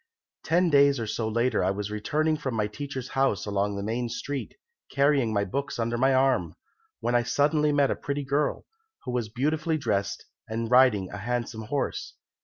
Ten days or so later I was returning from my teacher's house along the main street, carrying my books under my arm, when I suddenly met a pretty girl, who was beautifully dressed and riding a handsome horse.